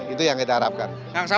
itu yang kita harapkan